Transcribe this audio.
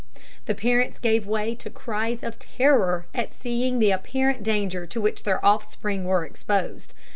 The parents gave way to cries of terror at seeing the apparent danger to which their offspring were exposed.